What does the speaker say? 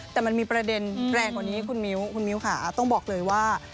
แต่มันมีประเด็นแรงกว่านี้คุณมิ้วคุณมิ้วค่ะต้องบอกเลยว่า